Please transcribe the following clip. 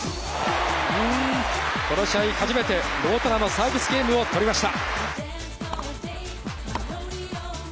この試合初めてノボトナのサービスゲームを取りました。